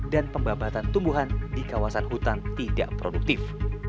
dan pembahasan tumbuhan di kawasan hutan tidak produktif